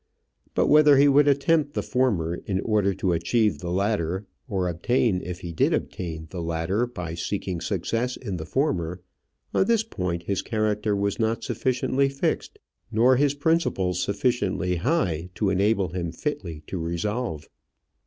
But whether he would attempt the former in order to achieve the latter; or obtain, if he did obtain, the latter by seeking success in the former: on this point his character was not sufficiently fixed, nor his principles sufficiently high to enable him fitly to resolve.